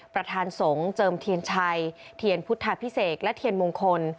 ประธานสงฆ์เจิมเทียนชัยเทียนพุทธพิเศษและเทียนมงคล